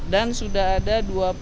dan sudah ada dua puluh tiga